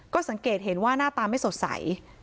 ก็สังเกตเห็นว่าหน้าตาไม่สดใส